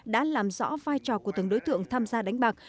đã làm rõ vai trò của từng đối tượng tham gia đánh bạc